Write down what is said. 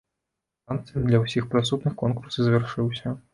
Танцамі для ўсіх прысутных конкурс і завяршыўся.